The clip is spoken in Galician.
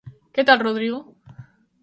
Que tal Rodrigo?